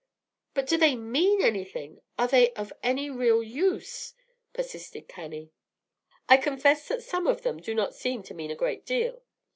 "But do they mean anything? Are they of any real use?" persisted Cannie. "I confess that some of them do not seem to mean a great deal.